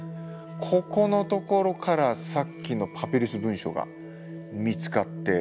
ここのところからさっきのパピルス文書が見つかっています。